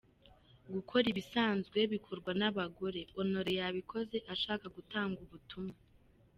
Gukora ibisanzwe bikorwa n’abagore, Honore yabikoze ashaka gutanga ubutumwa.